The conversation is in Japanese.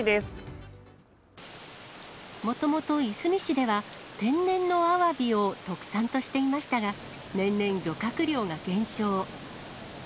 もともと、いすみ市では天然のアワビを特産としていましたが、年々、漁獲量が減少。